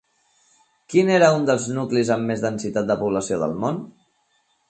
Quin era un dels nuclis amb més densitat de població del món?